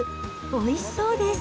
おいしそうです。